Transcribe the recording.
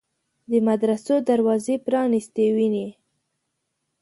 د مدرسو دروازې پرانیستې ویني.